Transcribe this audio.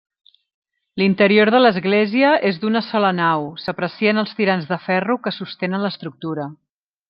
L'interior de l'Església és d'una sola nau, s'aprecien els tirants de ferro que sostenen l'estructura.